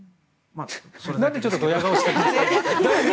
なんでちょっとドヤ顔したんですか？